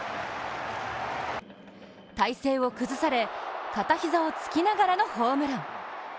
体勢を崩され、片膝をつきながらのホームラン。